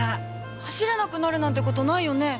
走れなくなるなんてことないよね？